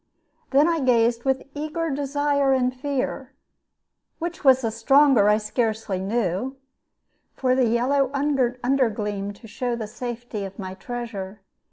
Then I gazed with eager desire and fear which was the stronger I scarcely knew for the yellow under gleam, to show the safety of my treasure.